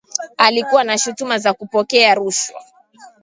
alikuwa na shutuma za kupokea rushwa